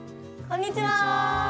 こんにちは！